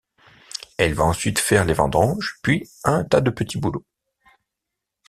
Elle va ensuite faire les vendanges, puis un tas de petits boulots.